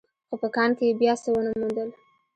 خو په کان کې يې بيا څه ونه موندل.